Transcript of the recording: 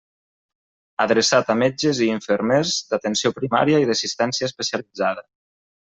Adreçat a metges i infermers d'Atenció Primària i d'Assistència Especialitzada.